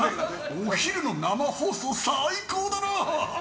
お昼の生放送、最高だな。